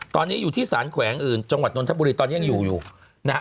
ตอนนี้อยู่ที่สารแขวงอื่นจังหวัดนทบุรีตอนนี้ยังอยู่อยู่นะฮะ